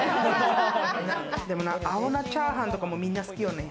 でもな、青菜チャーハンとかみんな好きよね。